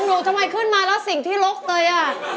ของหนูทำไมขึ้นมาแล้วสิ่งที่รกเตย่ะ